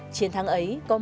chiến thắng ấy có một lý do